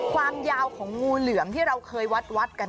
ความยาวของงูเหลือมที่เราเคยวัดกัน